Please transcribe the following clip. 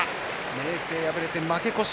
明生、敗れて負け越し。